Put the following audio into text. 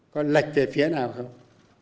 có lệch về phía nào không